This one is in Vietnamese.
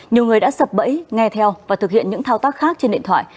nhiều người đã sập bẫy nghe theo và thực hiện những thao tác khác trên điện thoại